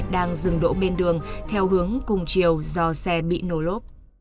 đang dừng đỗ bên đường theo hướng cùng chiều do xe bị nổ lốp